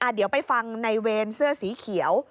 เดี๋ยวไปฟังในเวรเสื้อสีเขียว